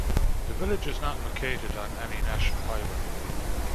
The village is not located on any national highway.